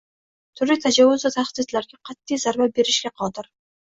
turli tajovuz va tahdidlarga qat’iy zarba berishga qodir